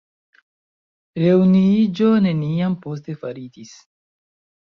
Reunuiĝo neniam poste faritis.